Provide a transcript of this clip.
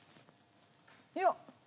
いや。